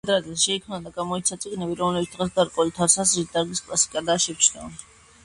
კათედრაზე შეიქმნა და გამოიცა წიგნები, რომლებიც დღეს, გარკვეული თვალსაზრისით, დარგის კლასიკადაა მიჩნეული.